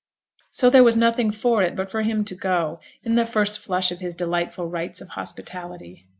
So there was nothing for it but for him to go, in the first flush of his delightful rites of hospitality.